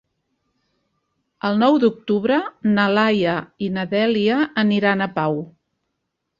El nou d'octubre na Laia i na Dèlia aniran a Pau.